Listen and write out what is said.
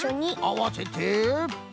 あわせて！